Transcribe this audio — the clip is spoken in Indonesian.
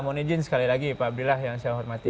mohon izin sekali lagi pak abdillah yang saya hormati